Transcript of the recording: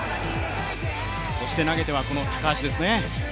そして投げては、この高橋ですね。